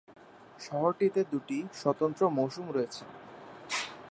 শহরটিতে দুটি স্বতন্ত্র মৌসুম রয়েছে।